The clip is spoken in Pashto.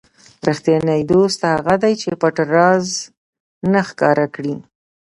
ریښتینی دوست هغه دی چې پټ راز نه ښکاره کړي.